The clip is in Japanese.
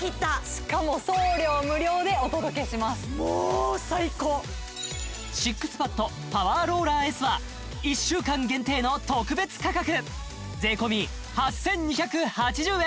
しかも送料無料でお届けしますもーう最高っＳＩＸＰＡＤパワーローラーＳは１週間限定の特別価格税込８２８０円